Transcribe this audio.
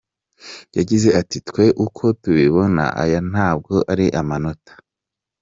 Yagize ati “Twe uko tubibona aya ntabwo ari amatora.